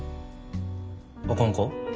あかんか？